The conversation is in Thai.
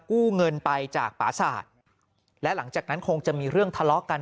กู้เงินไปจากปราศาสตร์และหลังจากนั้นคงจะมีเรื่องทะเลาะกัน